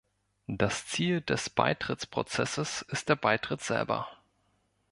Das Ziel des Beitrittsprozesses ist der Beitritt selber.